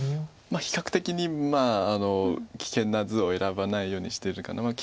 比較的に危険な図を選ばないようにしてるかな。